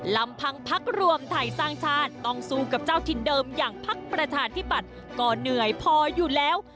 ลำพังพักรวมไทยสร้างชาติต้องสู้กับเจ้าถิ่นเดิมอย่างพักประชาธิบัติก็เหนื่อยพออยู่แล้ว